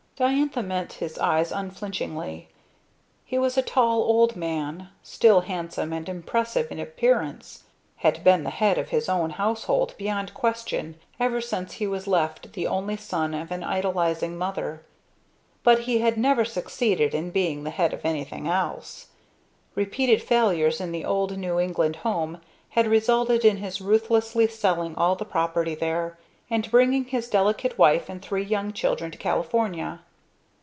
Diantha met his eyes unflinchingly. He was a tall old man, still handsome and impressive in appearance, had been the head of his own household beyond question, ever since he was left the only son of an idolizing mother. But he had never succeeded in being the head of anything else. Repeated failures in the old New England home had resulted in his ruthlessly selling all the property there; and bringing his delicate wife and three young children to California.